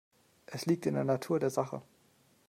Es liegt in der Natur der Sache.